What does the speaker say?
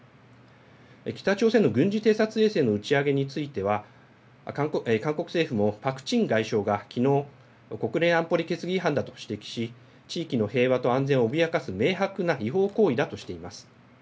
北朝鮮の軍事偵察衛星の打ち上げについては韓国政府もパク・チン外相がきのう、国連安保理決議違反だと指摘し地域の平和と安全を脅かす明白な違法行為だとしています。